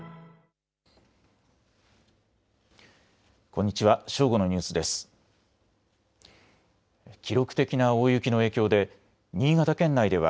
こんにちは。